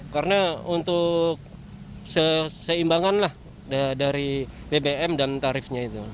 karena untuk seimbangan lah dari bbm dan tarifnya itu